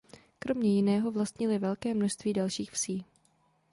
Kromě jiného vlastnili velké množství dalších vsí.